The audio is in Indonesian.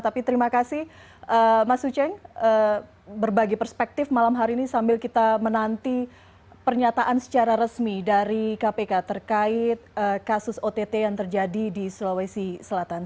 tapi terima kasih mas uceng berbagi perspektif malam hari ini sambil kita menanti pernyataan secara resmi dari kpk terkait kasus ott yang terjadi di sulawesi selatan